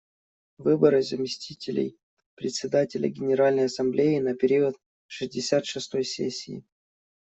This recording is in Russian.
Выборы заместителей Председателя Генеральной Ассамблеи на период шестьдесят шестой сессии.